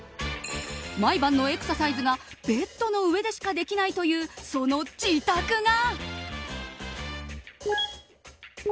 毎晩のエクササイズがベッドの上でしかできないというその自宅が。